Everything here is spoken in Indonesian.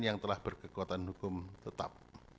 yang telah berkekuatan hukum tetap